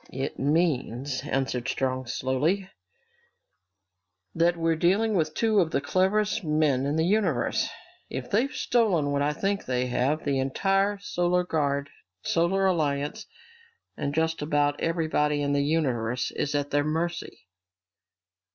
"It means," answered Strong slowly, "that we're dealing with two of the cleverest men in the universe! If they've stolen what I think they have, the entire Solar Guard, Solar Alliance, and just about everyone in the universe is at their mercy!"